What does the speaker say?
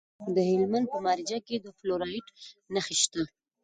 د هلمند په مارجه کې د فلورایټ نښې شته.